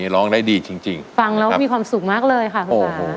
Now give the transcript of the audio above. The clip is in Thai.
ร้องได้ดีจริงฟังแล้วมีความสุขมากเลยค่ะคุณค่ะ